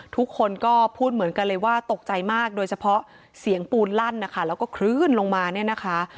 ทุกคนก็พูดเหมือนกันเลยว่าตกใจมากโดยเฉพาะเสียงปูนลั่นนะคะแล้วก็คลื่นลงมาเนี่ยนะคะ